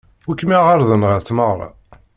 Wi kem-iɛeṛḍen ɣer tmeɣṛa?